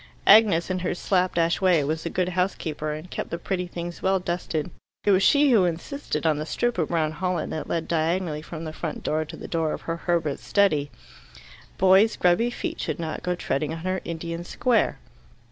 Agnes, in her slap dash way, was a good housekeeper, and kept the pretty things well dusted. It was she who insisted on the strip of brown holland that led diagonally from the front door to the door of Herbert's study: boys' grubby feet should not go treading on her Indian square.